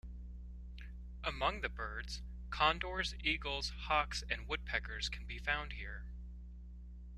Among the birds, condors, eagles, hawks and woodpeckers can be found here.